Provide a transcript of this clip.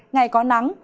ngày có nắng